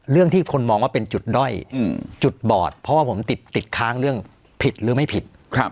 เรื่องที่คนมองว่าเป็นจุดด้อยจุดบอดเพราะว่าผมติดค้างเรื่องผิดหรือไม่ผิด